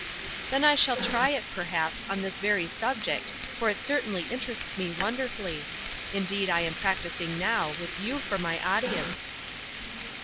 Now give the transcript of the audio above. "Then I shall try it, perhaps, on this very subject, for it certainly interests me wonderfully. Indeed, I am practicing now, with you for my audience."